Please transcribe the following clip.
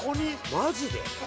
マジで？